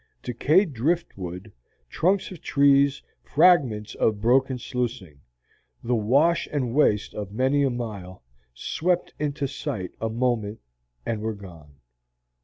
Decayed drift wood, trunks of trees, fragments of broken sluicing, the wash and waste of many a mile, swept into sight a moment, and were gone.